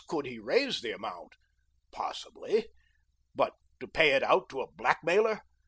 Could he raise the amount? Possibly. But to pay it out to a blackmailer!